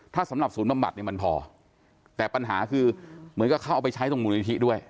ถ้าสำหรับศูนย์บำบัดเนี่ยมันพอแต่ปัญหาคือเหมือนกับเขาเอาไปใช้ตรงมูลนิธิด้วย